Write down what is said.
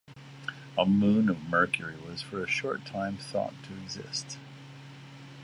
A moon of Mercury was for a short time thought to exist.